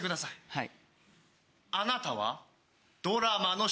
はい。